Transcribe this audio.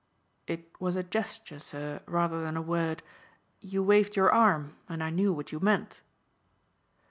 "It was a gesture, sir, rather than a word. You waved your arm and I knew what you meant."